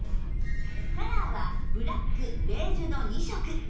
カラーはブラックベージュの２色